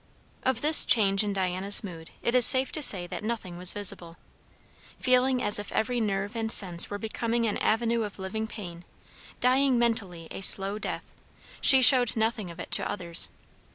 Of this change in Diana's mood it is safe to say that nothing was visible. Feeling as if every nerve and sense were become an avenue of living pain, dying mentally a slow death, she showed nothing of it to others.